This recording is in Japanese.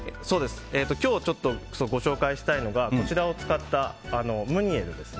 今日、ご紹介したいのがこちらを使ったムニエルです。